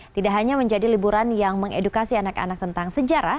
tidak hanya menjadi liburan yang mengedukasi anak anak tentang sejarah